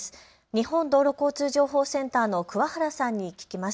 日本道路交通情報センターのくわ原さんに聞きます。